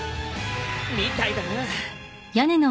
みたいだな。